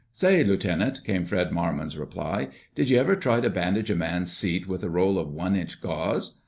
"Say, Lieutenant," came Fred Marmon's reply, "did you ever try to bandage a man's seat with a roll of one inch gauze?